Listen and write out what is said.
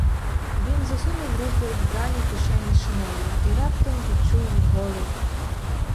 Він засунув руки в драні кишені шинелі і раптом відчув голод.